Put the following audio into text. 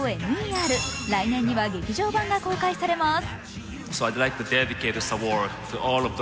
来年には劇場版が公開されます。